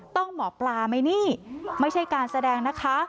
หมอปลาไหมนี่ไม่ใช่การแสดงนะคะ